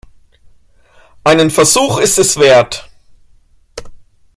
Einen Versuch ist es wert.